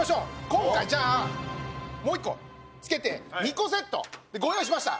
今回じゃあもう一個付けて２個セットでご用意しました。